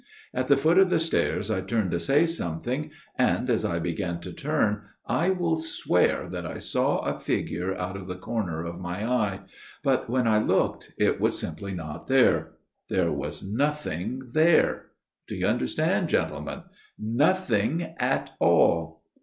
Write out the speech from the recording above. At the foot of the stairs I turned to say something, and, as I began to turn I will swear that I saw a figure out of the corner of my eye ; but when I looked, it was simply not there. There was nothing there. ... Do you understand, gentlemen ? Nothing at all.